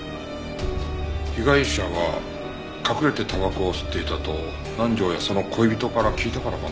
被害者は隠れてタバコを吸っていたと南条やその恋人から聞いたからかな？